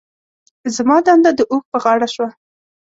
زما دنده د اوښ په غاړه شوه.